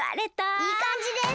いいかんじです。